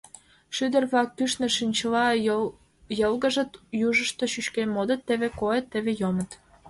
Шӱдыр-влак кӱшнӧ чинчыла йылгыжыт, южышто чӱчкен модыт: теве койыт, теве йомыт.